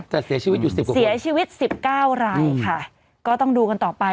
แต่เสียชีวิตอยู่๑๐กว่าค่ะ